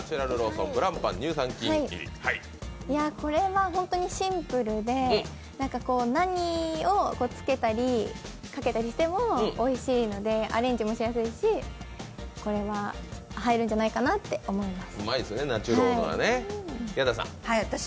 これは、シンプルで何をつけたり、かけたりしてもおいしいので、アレンジもしやすいし、これは入るんじゃないかなと思います。